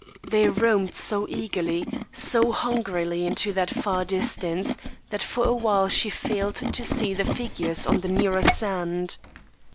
They roamed so eagerly, so hungrily into that far distance, that for a while she failed to see the figures on the nearer sand.